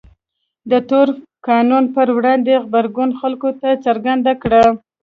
د تور قانون پر وړاندې غبرګون خلکو ته څرګنده کړه.